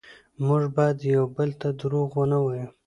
موږ باید یو بل ته دروغ ونه وایو